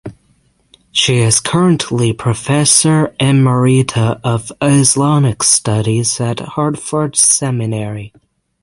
She is currently Professor Emerita of Islamic studies at Hartford Seminary.